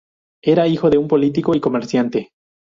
Era hijo de un político y comerciante.